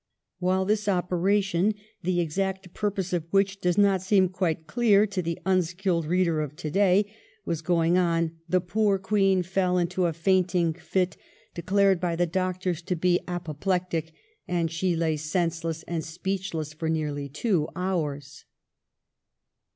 While this operation, the exact purpose of which does not seem quite clear to the unskilled reader of to day, was going on the poor Queen fell 374 THE REIGN OF QUEEN ANNE. ch. xxxix. into a fainting fit, declared by the doctors to be apoplectic, and she lay senseless and speechless for nearly two hours.